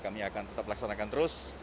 kami akan tetap laksanakan terus